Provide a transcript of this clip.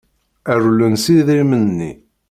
Rewlen s yidrimen-nni.